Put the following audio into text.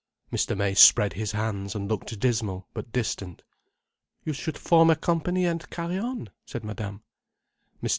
Mr. May spread his hands, and looked dismal, but distant. "You should form a company, and carry on—" said Madame. Mr.